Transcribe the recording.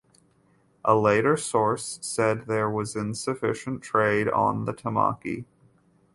A later source said there was insufficient trade on the Tamaki.